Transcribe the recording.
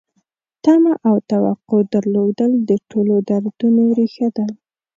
تمه او توقع درلودل د ټولو دردونو ریښه ده.